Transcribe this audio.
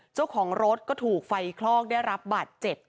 เจ้าของรถก็ถูกไฟคลอกได้รับบาดเจ็บ